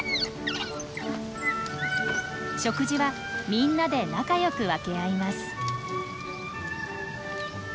食事はみんなで仲良く分け合います。